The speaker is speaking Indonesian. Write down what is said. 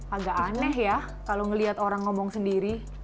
agak aneh ya kalau ngelihat orang ngomong sendiri